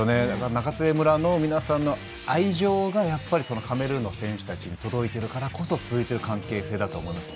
中津江村の皆さんの愛情が、やっぱりそのカメルーンの選手たちに届いているからこそ続いてる関係性だと思います。